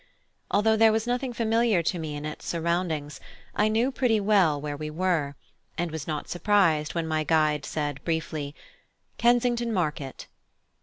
Although there was nothing familiar to me in its surroundings, I knew pretty well where we were, and was not surprised when my guide said briefly, "Kensington Market."